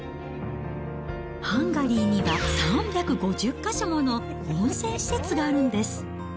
ハンガリーには３５０か所もの温泉施設があるんです。